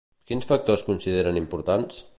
Quins factors consideren importants?